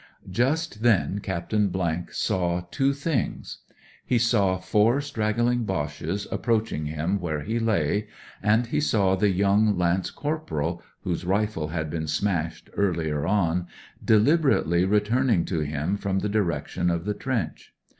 Just then Captain saw two tilings. He saw four straggling Boches approach ing him where he lay, and he saw the young lance corporal (whose rifle had been smashed earlier on) deliberately retimiing to him from the direction of the trench.